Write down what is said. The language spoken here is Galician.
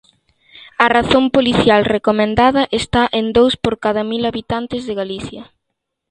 A razón policial recomendada está en dous por cada mil habitantes en Galicia.